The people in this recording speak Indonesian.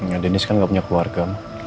nggak deniz kan nggak punya keluarga